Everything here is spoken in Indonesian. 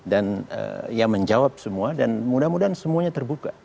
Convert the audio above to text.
dan ya menjawab semua dan mudah mudahan semuanya terbuka